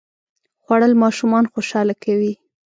خوړل ماشومان خوشاله کوي